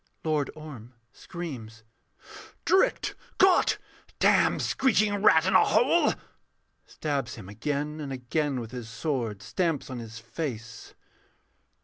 LORD ORM. Tricked! Caught! Damned screeching rat in a hole! [_Stabs him again and again with his sword; stamps on his face.